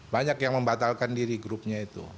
banyak yang membatalkan diri grupnya itu